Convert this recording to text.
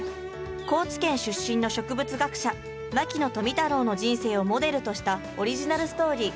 高知県出身の植物学者牧野富太郎の人生をモデルとしたオリジナルストーリー。